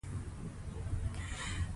د دوی قومي حسادت واک ته رسېدل غواړي.